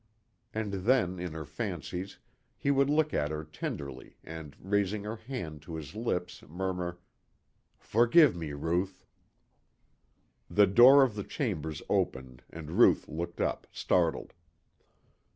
And then, in her fancies, he would look at her tenderly and raising her hand to his lips murmur, "Forgive me, Ruth." The door of the chambers opened and Ruth looked up, startled.